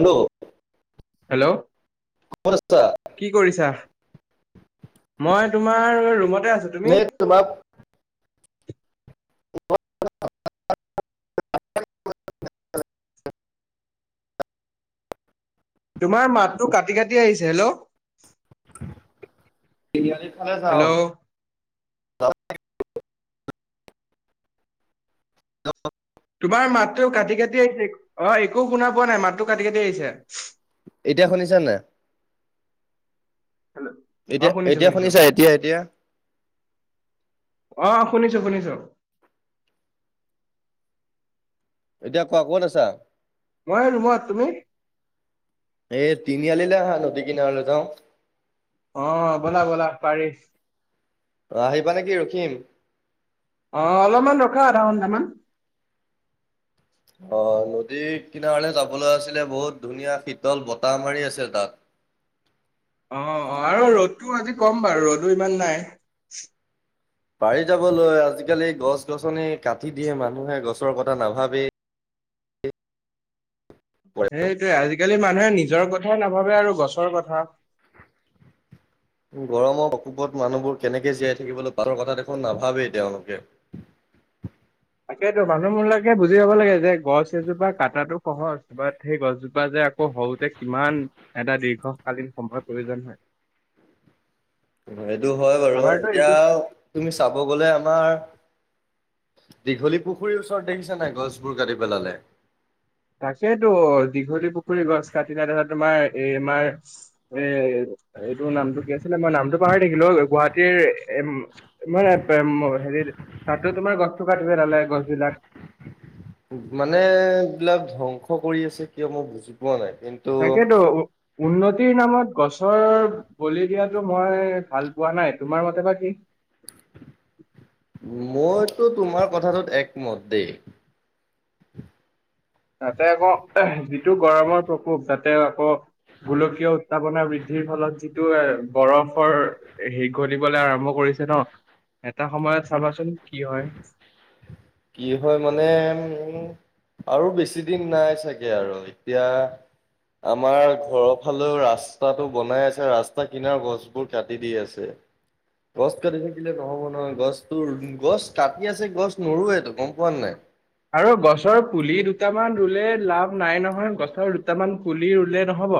Hello ক'ত আছা? কি কৰিছা, মই তোমাৰ ৰুমত [unintelligible] [inaudible] [unintelligible] [unintelligible] তোমাৰ মাতটো কাটি-কাটি আহিছে হেল্ল'। তিনিয়ালীৰ ফালে হেল্ল' যাওঁ। তোমাৰ মাতটো কাটি- কাটি আহিছে অ' একো শুনা পোৱা নাই মাতটো কাটি-কাটি আহিছে। এতিয়া শুনিছান নে। অ', শুনিছো-শুনিছো শুনিছা এতিয়া এতিয়া? অ' শুনিছ শুনিছো - শুনিছো। এতিয়া কোৱা ক'ত আছা। মই ৰুমত তুমি। এই [unintelligible] আহা নদী কিনাৰলৈ যাও। অ', ব'লা-ব'লা পাৰি। অ', আহিবা নেকি ৰখিম। অ', অলপমান ৰখা আধা ঘন্টামান। অ', নদীত কিনাৰে যাবলৈ আছিলে বহুত ধুনীয়া শীতল বতাহ মাৰি আছে তাত। [inaudible] অ', অ', আৰু ৰ'দটো আজি কম বাৰু ৰ'দো ইমান নাই। পাৰি যাবলৈ আজিকালি গছ-গছনি কাটি দিয়ে, মানুহে গছৰ কথা নাভাবেই। সেইটোৱেই আজিকালি মানুহে নিজ জৰ কথাই নাভাবে আৰু গছৰ কথা। উম, গৰমৰ প্ৰকোপত মানুহবোৰ কেনেকে জীয়াই থাকিবলৈ পাৰৰ কথা দেখোন নাভাবেই তেওঁলোকে। [inaudible] তাকেইতো মানুহবিলাকে বুজি পাব লাগে যে গছ এজোপা কাটাটো সহজ বা সেই গছজোপা যে আকৌ সৰুতে কিমান এটা দীৰ্ঘকালীন সম্পদ প্ৰয়োজন হয়। [inaudible] সেইটো হয় বাৰু, আমাৰতো এতিয়া এইটো তুমি চাব গ'লে আমাৰ দীঘলী পুখুৰীৰ ওচৰত দেখিছা নাই গছবোৰ কাটি পেলালে। তাকেইতো দীঘলী পুখুৰীৰ গছ কাটিলে তাৰচত তোমাৰ এই আমাৰ এ এইটো নামটো কি আছিলে, মই নামটো পাহৰি থাকিলোঁ গুৱাহাটীৰ এ-মানে [unintelligible] তাতো তোমাৰ গছ [unintelligible] গছ বিলাক মানে এইবিলাক ধ্বংস কৰি আছে কিয়? মই বুজি পোৱা নাই। কিন্তু তাকেটো উ-উন্নতিৰ নামত গছৰ বলি দিয়াটো মই ভাল পোৱা নাই তোমাৰ মতে বা কি? মইতো তোমাৰ কথাটোত একমত দেই। তাতে, আকৌ যিটো গৰমৰ প্ৰকোপ তাতে আকৌ গোলকীয় উত্তাপনা বৃদ্ধিৰ ফলত যিটো এ, বৰফৰ হে-গলিবলৈ আৰম্ভ কৰি ন' এটা সময়ত চাবাচোন কি হয়। কি হয়, মানে উম আৰু বেছি দিন নাই চাগে আৰু এতিয়া আমাৰ ঘৰৰ ফালেও ৰাস্তাটো বনাই আছে, ৰাস্তা কিনাৰ গছবোৰ কাটি দি আছে। গছ কাটি থাকিলে নহ'ব নহয়, গছতো গছ কাটি আছে গছ নৰুৱে। গম পোৱানে নাই? আৰু গছৰ পুলি দুটামান ৰুলে লাভ নাই নহ নহয়, গছৰ দুটামান পুলি ৰু'লে নহ'ব,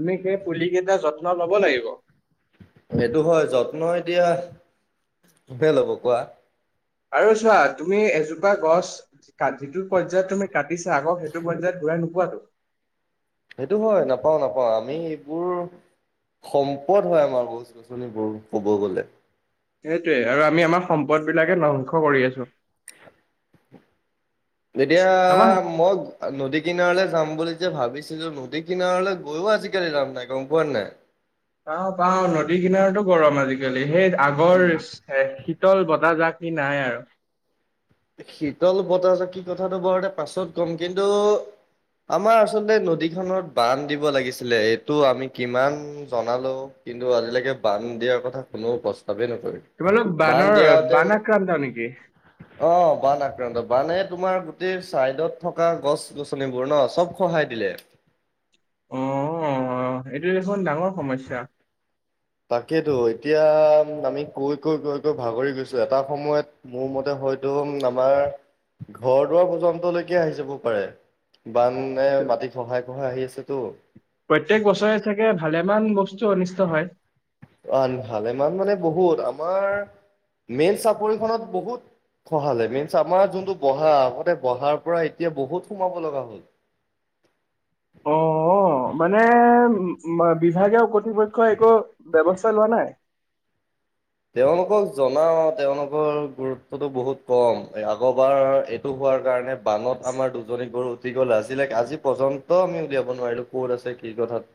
তুমি সেই পুলি কেইটা যত্ন ল'ব লাগিব। সেইটো হয়, যত্ন এতিয়া কোনে ল'ব কোৱা? আৰু চোৱা, তুমি এজোপা গছ কাটি যিটো পৰ্যায়ত তুমি কাটিছা আকৌ সেইটো পৰ্যায়ত ঘূৰাই নোপোৱাতো। সেইটো হয়, নাপাওঁ, নাপাওঁ আমি সেইবোৰ সম্পদ হয়, আমাৰ গছ গছনিবোৰ ক'ব গ'লে। সেইটোয়ে আৰু আমি আমাৰ সম্পদবিলাকে ধ্বংস কৰি আছোঁ। এতিয়া, আমাৰ মই নদী কিনাৰলৈ যাম বুলি যে, ভাবিছিলোঁ নদী কিনাৰলে গৈয়ো আজিকালি লাভ নাই গম পোৱা নাই? পাওঁ, পাওঁ নদী কিনাৰতো গৰম আজিকালি সেই আগৰ হে, শীত শীতল বতাহজাকি নাই আৰু। শীতল বতাহজাকি কথাটো [unintelligible] পাছত কম, কিন্তু আমাৰ আচলতে নদীখনত বান্ধ দিব লাগিছিলে, এইটো আমি কিমান জনালোঁ কিন্তু, আজিলৈকে বান্ধ দিয়াৰ কথা কোনো প্ৰশ্ন তোমালোক [unintelligible] বান্ধ বানৰ দিয়া হতেন বান আক্ৰান্ত নেকি? অ', বানআক্ৰান্ত, বানে তোমাৰ গোটেই চাইডত থকা গছ, গছনিবোৰ ন' চব খহাই দিলে। অ', অ', এইটো দেখোন ডাঙৰ সমস্যা। তাকেইতো এতিয়া আমি কৈ, কৈ, কৈ, কৈ ভাগৰি গৈছোঁ এটা সময়ত মোৰ মতে হয়টো উম, আমাৰ ঘৰ দুৱাৰ পৰ্যন্তলৈকে আহি যাব পাৰে। বাননে মাটি খহাই, খহাই আহি আছেতো। প্ৰত্যেক বছৰে চাগে ভালেমান বচ আন ভালেমান মানে বহুত, আমাৰ মেইন চাপৰিখনত বহুত খহালে মিঞ্চ আমাৰ যোনটো বহা আগতে বহাৰ পৰা এতিয়া বহুত সোমাব লগা হ'ল। [unintelligible] অ মানে ম বিভাগীয় কৰ্তৃপক্ষই একো ব্যৱস্থা লোৱা নাই। [inaudible] তেওঁলোকক জনাওঁ তেওঁলোকৰ গুৰুত্বটো বহুত কম আগৰবাৰ এইটো হ কাৰণে বানত আমাৰ দুজনী গৰু দীঘল আছিলে আজি পৰ্যন্ত আমি উলিয়াব নোৱাৰিলো ক'ত আছে কি কথাত [inaudible]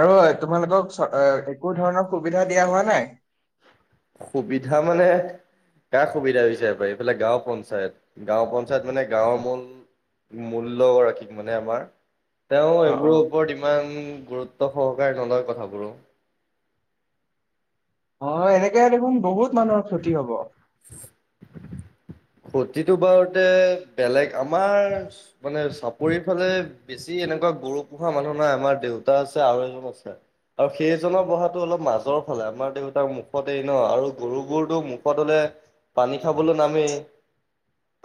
আৰু তোমালোকক চা একো ধৰণৰ সুবিধা দিয়া হোৱা নাই। সুবিধা মানে। কা সুবিধা বিচাৰিব পাৰি। এইফালে গাঁও পঞ্চায়ত, গাঁও পঞ্চায়ত মানে গাঁওৰ মূল। মূল্ল গৰাকীক মানে আমাৰ তেওঁ অ' এইবোৰৰ অ'। ওপৰত ইমান গুৰুত্ব সহকাৰে নলয় কথাবোৰো। অ এনেকে দেখোন বহুত মানুহৰ ক্ষতি হ'ব। [unintelligible] প্ৰতিটো বাৰতে বেলেগ আমাৰ মানে চাপৰি ফালে বেছি। তেনেকুৱা গৰু পোহা মানুহ নাই আমাৰ দেউতা আছে আৰু এজন আছে। আৰু সেইজনৰ বহাটো অলপ মাজৰ ফালে আমাৰ দেউতাৰ মুখতে ন আৰু গৰুবোৰটো মুখত হ'লে। পানী খাবলৈ নামেই।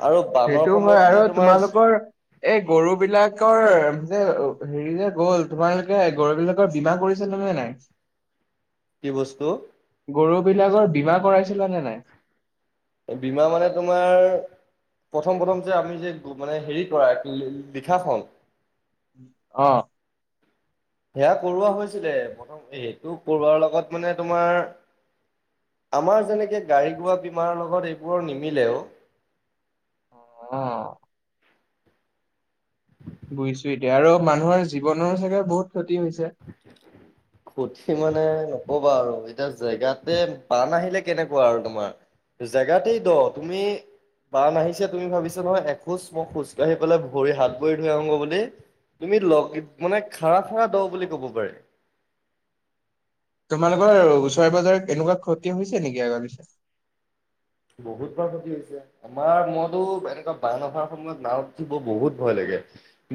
আৰু বানৰ সেইটো হয় সময়ত মানে আৰু তোমাৰ তোমালোকৰ এই গৰু বিলাকৰ যে। হেৰি যে গ'ল তোমালোকে ঘৰবিলাকৰ বীমা কৰিছিলেনে নাই। কি বস্তু অ গৰু বিলাকৰ বীমা কৰাইছিলা নে নাই। বীমা মানে তোমাৰ প্ৰথম প্ৰথম যে আপুনি যে মানে হেৰি কৰা কি লিখাখন। অ' সেয়া কৰোৱা হৈছিলে। প্ৰথম সেইটো কৰোৱাৰ লগত মানে তোমাৰ আমাৰ যেনেকে গাড়ী ঘোঁৰা বীমাৰৰ লগত এইবোৰৰ নিমিলে অ'। আহ। বুজিছো এতিয়া আৰু মানুহৰ জীৱনৰো চাগে বহুত ক্ষতি হৈছে। ক্ষতি মানে ন নকবা আৰু যেতিয়া জেগাতে বান আহিলে কেনেকুৱা আৰু তোমাৰ জেগাতেই দ তুমি। বান নাহিছে তুমি ভাবিছা নহয় এখোজ মই খোজকাঢ়ি পেলাই ভৰি হাত ভৰি ধুই আহোগৈ বুলি। তুমি লগ মানে খা খাৰা দ বুলি ক'ব পাৰে। তোমালোকৰ ওচৰে পজাৰ এনেকুৱা ক্ষতি হৈছে নেকি আগাৰ পিছে। বহুত বা ক্ষতি হৈছে। আমাৰ মইতো এনেকুৱা বান অহাৰ সময়ত নাও উঠিব বহুত ভয় লাগে।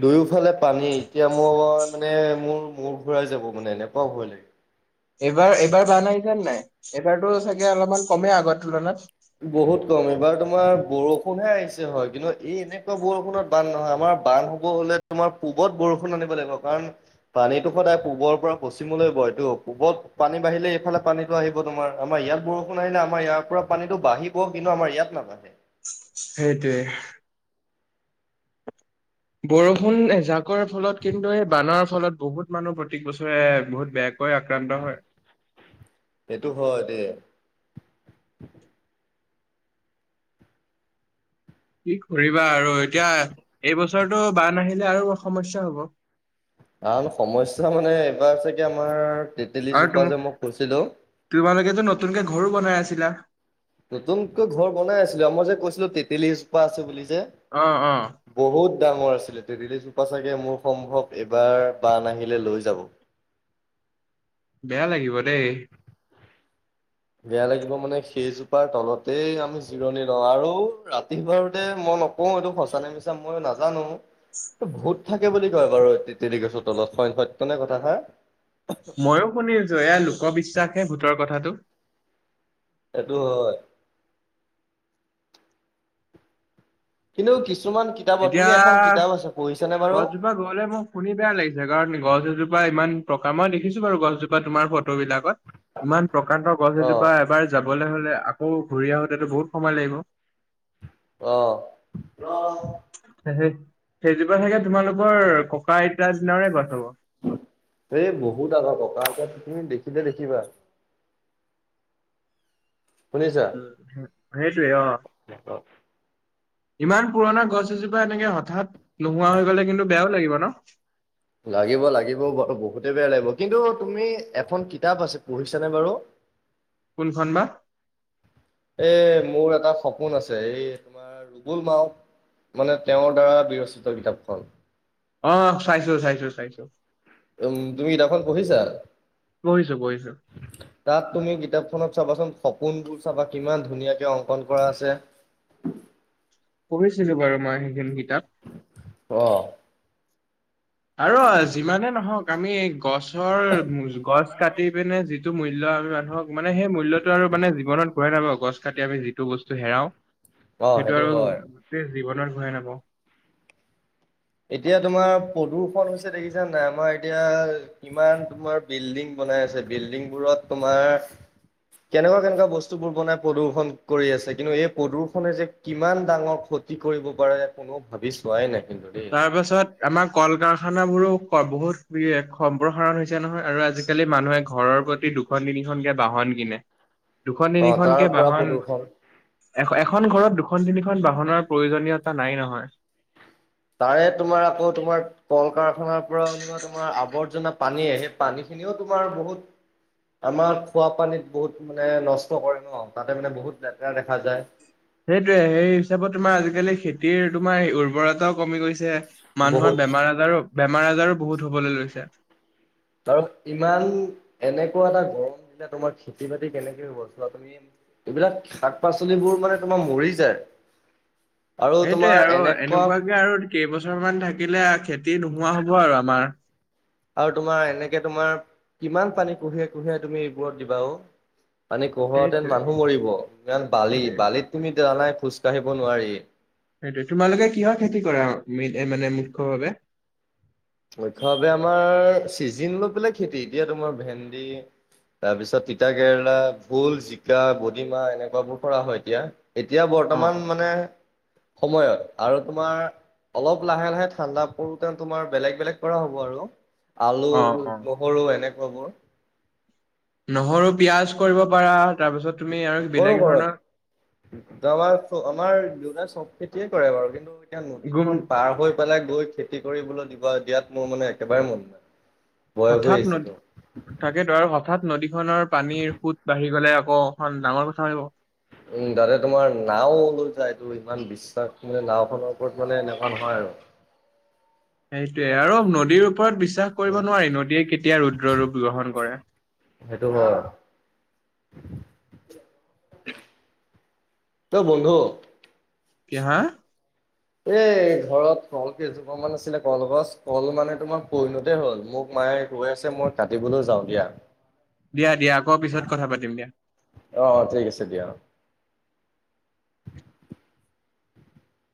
দুয়োফালে পানী এতিয়া মোৰ মানে মোৰ মূৰ ঘূৰাই যাব মানে এনেকুৱাও ভয় লাগে। এইবাৰ এইবাৰ বান আহিছেনা নাই এইবাৰতো চাগে অলপমান কমেই আগৰ তুলনাত। বহুত কম এইবাৰ তোমাৰ বৰষুণহে আহিছে হয় কিন্তু এই এনেকুৱা বৰষুনত বান্ধ নহয় আমাৰ। বান হ'ব হলে তোমাৰ পূবত বৰষুণ আনিব লাগিব কাৰণ পানীতটো সদায় পূবৰ পৰা পশ্চিমলৈ। এইটো পূবত পানী বাঢ়িলে এইফালে পানীতো আহিব তোমাৰ আমাৰ ইয়াত বৰষুণ আহিলে আমাৰ ইয়াৰ পৰা পানীতো বাঢ়িব কিন্তু আমাৰ ইয়াত নাবাঢ়ে। সেইটোৱে বৰষুণ এজাকৰ ফলত কিন্তু এই বানৰ ফলত বহুত মানুহ প্ৰতেক বছৰে বহুত বেয়া। সেইটো হয় দে। কি কৰিবা আৰু এতিয়া এইবছৰটো বান আহিলে আৰু সমস্যা হ'ব। কাৰণ সমস্যা মানে এইবাৰ চাগে আমাৰ তেতেলীজোপা যে মই কৈছিলো। এতিয়া তো নতুনকে ঘৰো বনাই আছিলা? নতুনকৈ ঘৰ বনাই আছিলো, আৰু মই যে কৈছিলো তেতেলীজোপা আছে বুলি। যে, অ', অ', বহুত ডাঙৰ আছিলে তেৰিলিজোপা চাগে মোৰ সম্ভৱ এবাৰ বান নাহিলে লৈ যাব। [unintelligible] বেয়া লাগিব দেই। বেয়া লাগিব মানে সেইজোপাৰ তলতেই আমি জিৰণি লওঁ আৰু ৰাতি বাাৰোতে মই নকওঁ এইটো সঁচা নে মিছা মই নাজানো। ভুত থাকে বুলি কয় বাৰু তেতেলি তলত সইন সত্য নে কথা খাৰ। ময়ো শুনিলো যে এয়া লোকবিশ্বাস হে ভোটৰ কথাটো। সেইটো হয়। কিন্তু কিছুমান কিতাপত এতিয়া তুমি এখন কিতাপ আছে পঢ়ি - - গছজোপা গলে মোক শুনি বেয়া লাগিছে কাৰণ গছ এজোপা ইমান প্ৰকা মই দেখিছো বাৰু গছজোপা তোমাৰ ফটো বিলাকত ইমান প্ৰকাণ্ড গছ অ এজোপা এবাৰ যাবলৈ আকৌ ঘূৰি আহোতেটো বহুত সময় লাগিব। অঁ অঁ। সেই সেইজোপা চাগে তোমালোকৰ ককা - আইতাৰ দিনাৰে গছ হ'ব। এই বহুত আগ ককাক তুমি দেখিলে দেখিবা। শুনিছা উম সেইটোৱে অ' ইমান পুৰণা গছ এজোপা এনেকে হঠাৎ নোহোৱা হৈ গলে কিন্তু বেয়াও লাগিব ন। লাগিব - লাগিব বাৰু বহুতে বেয়া লাগিব, কিন্তু তুমি এখন কিতাপ আছে পঢ়িছানে বাৰু। [unintelligible] কোন বা? এ মোৰ এটা সপোন আছে এই তোমাৰ ৰুবুল মাও মানে তেওঁৰ দ্বাৰা বিৰচিত কিতাপখন। অ', চাইছো চাইছো চাইছো। উম তুমি কিতাপখন পঢ়িছা? পঢ়িছো পঢ়িছো তাত তুমি কিতাপখনত চাবাচোন সপোনবোৰ চাবা কিমান ধুনীয়াকে অংকন কৰা আছে। কৰিছিলো বাৰু মই সেইখিনি কিতাপ অহ। আৰু যিমানে নহক আমি গছৰ গছ কাটি পিনে যিটো মূল্য আমি মানুহক মানে সেই মূল্যতো আৰু মানে জীৱনত ঘূৰাই নাপাওঁ। গছ কাটি আমি যিটো বস্তু বস্ত হেৰাও অ সেইটো আৰু হয় গোটেই জীৱনত ঘূৰাই নাপাওঁ। এতিয়া তোমাৰ প্ৰদূষন হৈছে দেখিছা নে নাই? আমাৰ এতিয়া কিমান তোমাৰ বিল্ডিং বনাই আছে বিল্ডিংবোৰত তোমাৰ কেনেকুৱা কেনেকুৱা বস্তুবোৰ বনাই প্ৰদূষণ কৰি আছে। কিন্তু এই প্ৰদূৰ্ষণে যে কিমান ডাঙৰ ক্ষতি কৰিব পাৰে কোনেও ভাবি চোৱাই নাই কিন্তু দেই। তাৰ পাছত আমাৰ কল-কাৰখানাবোৰো বহুত সম্প্ৰসাৰণ হৈছে নহয় আৰু আজিকালি মা মানুহে ঘৰৰ প্ৰতি দুখন-তিনিখনকে বাহন কিনে। অ তাৰ দুখন-তিনিখনকে পৰা বাহন প্ৰদূষণ এখন ঘৰত দুখন-তিনিখন বাহনৰ প্ৰয়োজনীয়তা নাই নহয়। তাৰে তোমাৰ আকৌ তোমাৰ কল-কাৰখানাৰ পৰা ওলোৱা তোমাৰ আৱৰ্জনা পানীয়ে। সেই পানী খিনিও তোমাৰ বহুত আমাৰ খোৱাপানীত বহুত মানে নষ্ট কৰে ন। তাতে মানে বহুত লেতেৰা দেখা যায়। সেইটোৱে সেই হিচাপত তোমাৰ আজিকালি খেতিৰ তোমাৰ উৰ্বৰতাও কমি গৈছে। মানুহৰ বহুত বেমাৰ-আজাৰো, বেমাৰ-আজাৰো বহুত হ'বলৈ লৈছে। আৰু ইমান এনেকুৱা এটা গৰম দিলে তোমাৰ খেতি-বাতি কেনেকে হ'ব চোৱা তুমি। এইবিলাক শাক-পাচলিবোৰ মানে তোমাৰ মৰি যায়। আৰু সেইটোৱে। তোমাৰ আৰু এনেকুৱা এনেকুৱাকে আৰু কেইবছৰ মান থাকিলে খেতি নো নোহোৱা হ'ব আৰু আমাৰ। আৰু তোমাৰ এনেকে তোমাৰ কিমান পানী কোঢ়িয়াই-কোঢ়িয়াই তুমি এইবোৰত দিবা অ'। মানে কোঢ়োয়াওঁতেন সেইটোৱে মানুহ মৰিব। ইমান বালি। সেইটোৱে বালিত তুমি জানাই খোজ কাঢ়িব নোৱাৰি। সেইটোৱে। তোমালোকে কিহৰ খেতি কৰা মি মানে মুখ্য ভাৱে? লক্ষভাৱে আমাৰ চিজিন লৈ পেলাই খেতি। এতিয়া তোমাৰ ভেন্দি তাৰপিছত এতিয়া অ বৰ্তমান অ মানে সময়ত। আৰু তোমাৰ অলপ লাহে-লাহে ঠাণ্ডা পৰোতে তোমাৰ বেলেগ বিলাক কৰা হ'ব আৰু আলু, অ অ নহৰু এনেকুৱাবোৰ। নহৰু, পিয়াজ কৰিব পাৰা। তাৰপিছত তুমি আৰু কৰোঁ বেলেগ কৰোঁ। ধৰণৰ আমাৰ আমাৰ দেউতাৰ চব খেতিয়ে কৰে বাৰু। কিন্তু এতিয়া গুম নদীখন পাৰ হৈ পেলাই গৈ খেতি কৰিবলৈ দিব দিয়াত মোৰ মানে একেবাৰে মন নাই। বয়স হৈ হঠাৎ নদ, আহিছেতো তাকেতো। আৰু হঠাৎ নদীখনৰ পানীৰ সোঁত বাঢ়ি গ'লে। অ', এখন ডাঙৰ কথা হৈ যাব। উম, দাদাই তোমাৰ নাওঁ লৈ যায়তো, ইমান বিশ্বাস মানে নাওঁখনৰ ওপৰত মানে এনেকুৱা নহয়। [unintelligible] সেইটোৱে। আৰু নদীৰ ওপৰত বিশ্বাস কৰিব উম নোৱাৰি, নদীয়ে কেতিয়া ৰুদ্ৰ ৰূপ গ্ৰহণ কৰে। কোৱা। অ', বন্ধু। কি? হা! এই ঘৰত কলকেইজোপা মান আছিলে কলগছ। কল মানে তোমাৰ পইণতে হ'ল। মোক মায়ে ৰৈ আছে মই কাটিবলৈ যাওঁ দিয়া। দিয়া, দিয়া আকৌ পিছত কথা পাতিম দিয়া। অ অ ঠিক আছে দিয়া অ